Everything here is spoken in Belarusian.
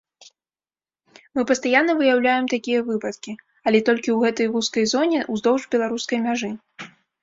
Мы пастаянна выяўляем такія выпадкі, але толькі ў гэтай вузкай зоне ўздоўж беларускай мяжы!